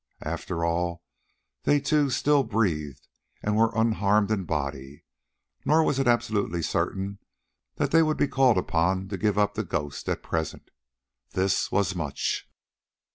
After all they two still breathed and were unharmed in body, nor was it absolutely certain that they would be called upon to give up the ghost at present. This was much.